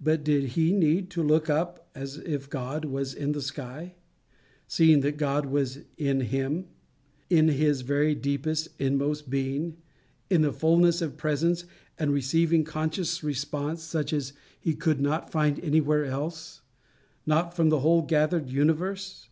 But did he need to look up as if God was in the sky, seeing that God was in him, in his very deepest, inmost being, in fulness of presence, and receiving conscious response, such as he could not find anywhere else not from the whole gathered universe?